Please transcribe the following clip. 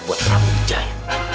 buat rami rizky